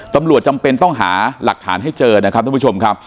ตำรวจจำเป็นต้องหาหลักฐานให้เจอนะครับ